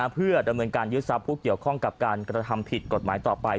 เพื่อดำเนินการยึดทรัพย์ผู้เกี่ยวข้องกับการกระทำผิดกฎหมายต่อไป